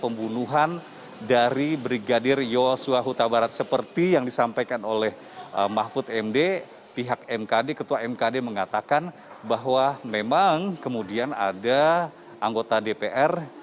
pembunuhan dari brigadir yosua huta barat seperti yang disampaikan oleh mahfud md pihak mkd ketua mkd mengatakan bahwa memang kemudian ada anggota dpr